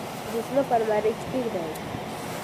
مجسمه په المارۍ کې کېږدئ.